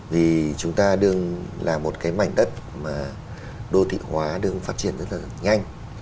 vì chúng ta đương là một cái mảnh đất mà đô thị hóa đương phát triển rất là nhanh